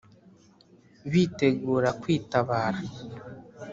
Bitegura kwitabara.